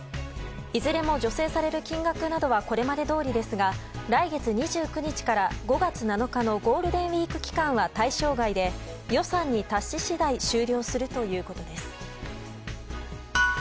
いずれも助成される金額などはこれまでどおりですが来月２９日から５月７日のゴールデンウィーク期間は対象外で予算に達し次第終了するということです。